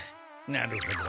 なるほど。